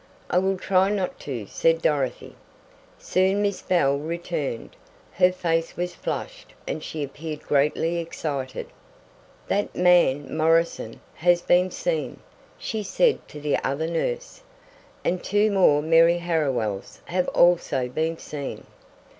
"I will try not to," said Dorothy. Soon Miss Bell returned. Her face was flushed and she appeared greatly excited. "That man Morrison has been seen," she said to the other nurse. "And two more Mary Harriwells have also been seen.